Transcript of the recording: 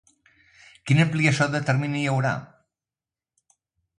Quina ampliació de termini hi haurà?